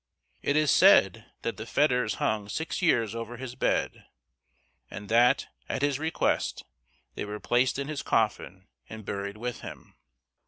It is said that the fetters hung six years over his bed, and that, at his request, they were placed in his coffin and buried with him.